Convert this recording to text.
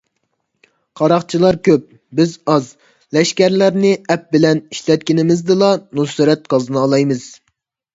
قاراقچىلار كۆپ، بىز ئاز؛ لەشكەرلەرنى ئەپ بىلەن ئىشلەتكىنىمىزدىلا نۇسرەت قازىنالايمىز.